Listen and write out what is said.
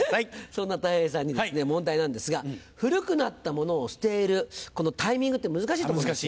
そんなたい平さんに問題なんですが古くなったものを捨てるこのタイミングって難しいと思うんですよ。